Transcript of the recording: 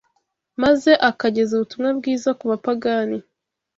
maze akageza ubutumwa bwiza ku bapagani